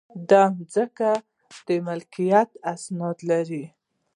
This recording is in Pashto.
د ځمکې د ملکیت اسناد لرئ؟